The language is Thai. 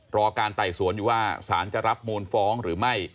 รอการไต่สวนอยู่ว่าสารจะรับมูลฟ้องหรือไม่